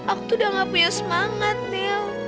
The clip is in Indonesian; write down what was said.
aku tuh udah gak punya semangat niel